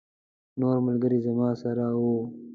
نور ملګري زما سره وو.